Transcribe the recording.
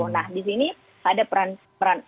nah di sini ada peran